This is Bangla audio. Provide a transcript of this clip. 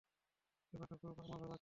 ব্যাপারটায় খুব আমোদ পাচ্ছি।